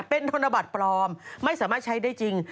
เป็นธนบัตรปลอมไม่สามารถใช้ได้จริง